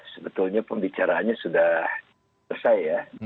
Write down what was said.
sebetulnya pembicaraannya sudah selesai ya